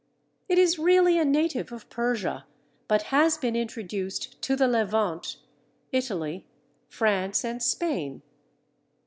It is really a native of Persia, but has been introduced to the Levant, Italy, France, and Spain.